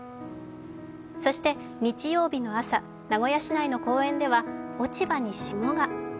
そして、日曜日の朝、名古屋市内の公園では落ち葉に霜が。